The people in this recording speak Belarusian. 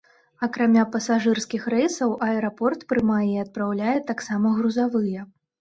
Акрамя пасажырскіх рэйсаў аэрапорт прымае і адпраўляе таксама грузавыя.